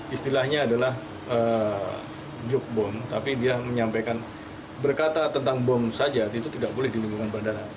istilahnya adalah joke bom tapi dia menyampaikan berkata tentang bom saja itu tidak boleh di lingkungan bandara